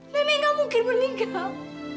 nenek nggak mungkin meninggal